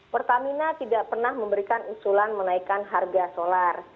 pertamina tidak pernah memberikan usulan menaikkan harga solar